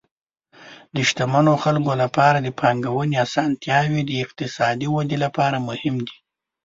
د شتمنو خلکو لپاره د پانګونې اسانتیاوې د اقتصادي ودې لپاره مهم دي.